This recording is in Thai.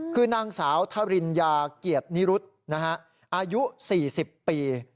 คือนางสาวทริญญาเกียรตินิรุธอายุ๔๐ปี